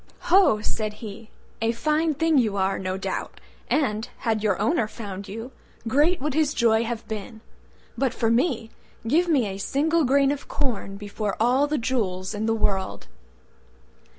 "Ho!" said he, "a fine thing you are, no doubt, and, had your owner found you, great would his joy have been. But for me! give me a single grain of corn before all the jewels in the world."